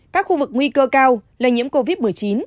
các khu vực nguy cơ cao lây nhiễm covid một mươi chín